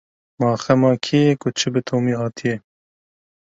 Ma xema kê ye ku çi bi Tomî hatiye?